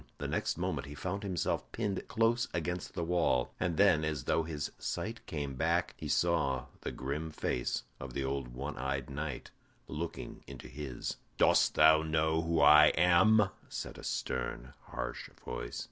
The next moment he found himself pinned close against the wall, and then, as though his sight came back, he saw the grim face of the old one eyed knight looking into his. "Dost thou know who I am?" said a stern, harsh voice.